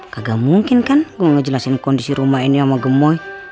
kagak mungkin kan gue ngejelasin kondisi rumah ini sama gemoy